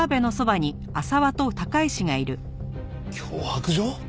脅迫状？